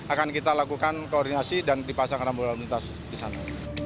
akan kita lakukan koordinasi dan dipasang rambu lalu lintas di sana